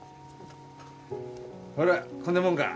ほらこんなもんが？